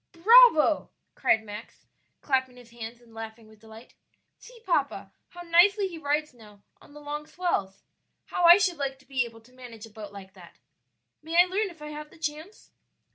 "Bravo!" cried Max, clapping his hands and laughing with delight; "see, papa, how nicely he rides now on the long swells! How I should like to be able to manage a boat like that. May I learn if I have the chance?"